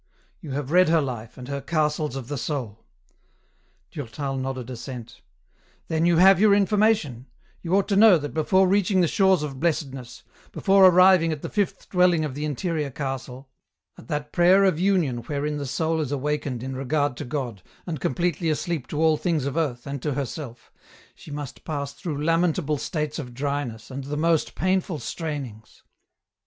You have read her Hfe, and her ' Castles of the Soul '!" Durtal nodded assent. " Then you have your information ; you ought to know that before reaching the shores of Blessedness, before arriving at the fifth dwelling of the interior castle, at that prayer of union wherein the soul is awakened in regard to God, and completely asleep to all things of earth and to herself, she must pass through lamentable states of dryness, and the most painful strainings.